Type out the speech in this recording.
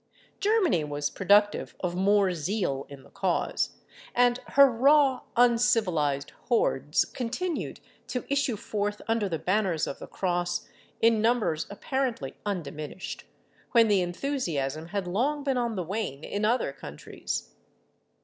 Germany was productive of more zeal in the cause, and her raw uncivilised hordes continued to issue forth under the banners of the cross in numbers apparently undiminished, when the enthusiasm had long been on the wane in other countries.